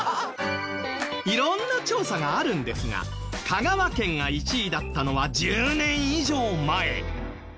いろんな調査があるんですが香川県が１位だったのは１０年以上前。